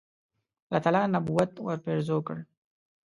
الله تعالی نبوت ورپېرزو کړ.